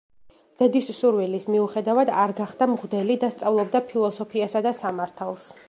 დედის სურვილის მიუხედავად არ გახდა მღვდელი და სწავლობდა ფილოსოფიასა და სამართალს.